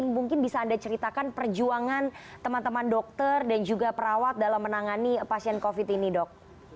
mungkin bisa anda ceritakan perjuangan teman teman dokter dan juga perawat dalam menangani pasien covid ini dok